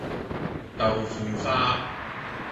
豆腐花